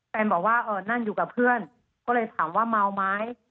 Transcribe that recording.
แฟนบอกว่านั่งอยู่กับเพื่อนก็เลยถามว่าเมาไหม